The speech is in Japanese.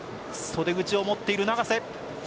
袖口を持っている永瀬。